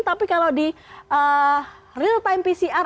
tapi kalau di real time pcr